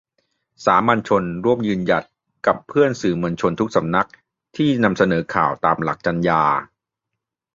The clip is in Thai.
สามัญชน ร่วมยืนหยัด กับเพื่อนสื่อมวลชนทุกสำนัก ที่นำเสนอข่าวตามหลักจรรยา